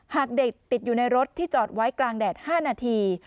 หากเด็กติดอยู่ในรถที่จอดไว้กลางแดด๕นาที